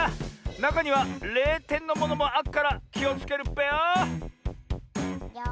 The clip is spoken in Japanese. なかには０てんのものもあっからきをつけるっぺよ！